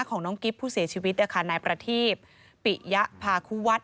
ของน้องกิ๊บผู้เสียชีวิตนะคะนายประทีปปิยะพาคุวัฒน์